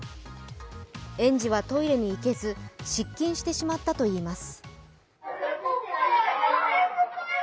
園児はトイレに行けず、失禁してしまったといいます。